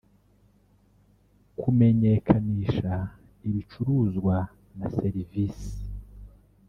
kumenyekanisha ibicuruzwa na serivisi